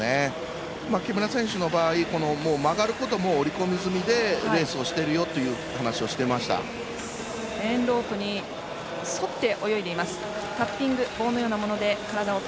木村選手の場合曲がること織り込み済みでレースをしているよという話をしていました。